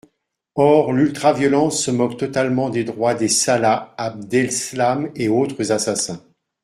Or l’ultra-violence se moque totalement des droits des Salah Abdeslam et autres assassins.